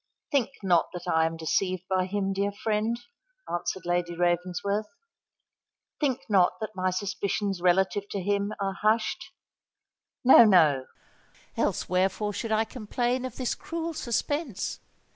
think not that I am deceived by him, dear friend," answered Lady Ravensworth: "think not that my suspicions relative to him are hushed. No—no: else wherefore should I complain of this cruel suspense?